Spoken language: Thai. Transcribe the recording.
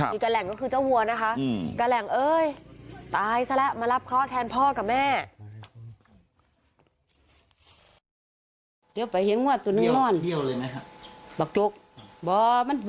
อีกะแหล่งก็คือเจ้าหัวนะคะ